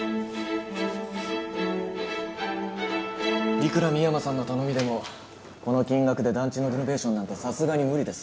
いくら深山さんの頼みでもこの金額で団地のリノベーションなんてさすがに無理です。